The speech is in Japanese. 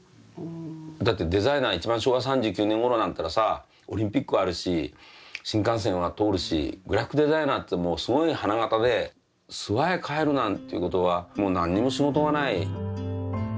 だってデザイナーが一番昭和３９年頃なんてのはさオリンピックあるし新幹線は通るしグラフィックデザイナーってもうすごい花形で諏訪へ帰るなんていうことはもう何にも仕事がない。